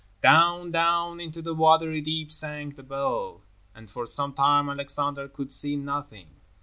Down, down into the watery deep sank the bell, and for some time Alexander could see nothing.